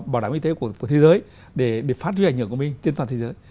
bảo đảm y tế của thế giới để phát huy ảnh hưởng của mình trên toàn thế giới